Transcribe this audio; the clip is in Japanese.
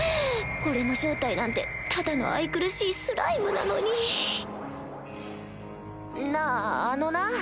俺の正体なんてただの愛くるしいスライムなのになぁあのな。